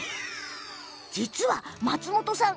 実は松本さん